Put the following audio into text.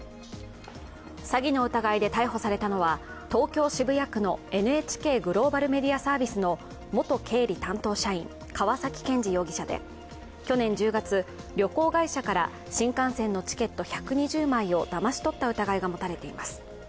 詐欺の疑いで逮捕されたのは、東京・渋谷区のＮＨＫグローバルメディアサービスの元経理担当社員、川崎健治容疑者で去年１０月、旅行会社から新幹線のチケット１２０枚をだまし取った疑いが持たれています。